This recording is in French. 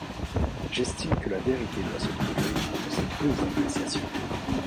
J'estime que la vérité doit se trouver entre ces deux appréciations.